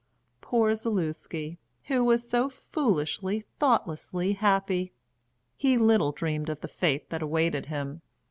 Poor Zaluski, who was so foolishly, thoughtlessly happy! He little dreamed of the fate that awaited him!